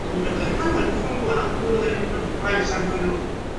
watu wasiyotumia kinga wapo katika hatari ya kuambukizwa virusi vya ukimwi